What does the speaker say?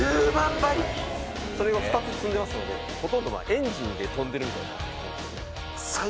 それを２つ積んでますのでほとんどエンジンで飛んでるみたいなもんですね。